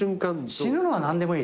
死ぬのは何でもいい。